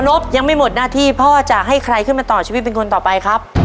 บยังไม่หมดหน้าที่พ่อจะให้ใครขึ้นมาต่อชีวิตเป็นคนต่อไปครับ